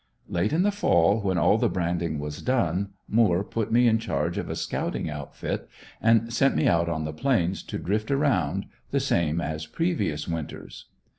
Late in the fall when all the branding was done, Moore put me in charge of a scouting outfit and sent me out on the Plains to drift around, the same as previous winters.